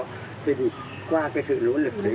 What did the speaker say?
thế thì qua cái sự nỗ lực đấy